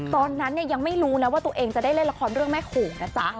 ตอนนั้นเนี่ยยังไม่รู้นะว่าตัวเองจะได้เล่นละครเรื่องแม่โขงนะจ๊ะ